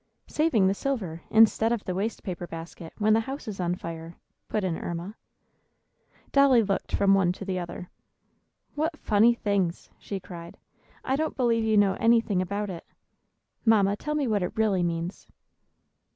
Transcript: "Saving the silver, instead of the waste paper basket, when the house is on fire," put in Erma. Dolly looked from one to the other. "What funny things!" she cried. "I don't believe you know anything about it. Mamma, tell me what it really means."